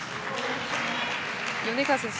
米川選手